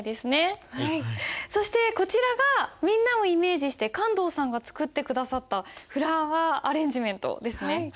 そしてこちらがみんなをイメージして観堂さんが作って下さったフラワーアレンジメントですね。